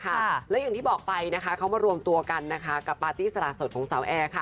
และอย่างที่บอกไปนะคะเขามารวมตัวกันนะคะกับปาร์ตี้สละสดของสาวแอร์ค่ะ